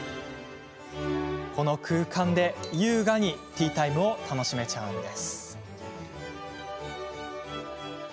この空間で優雅にティータイムを楽しめちゃうんです。